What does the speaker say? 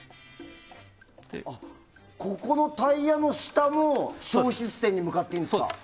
ここのタイヤの下も消失点に向かっていいんですか？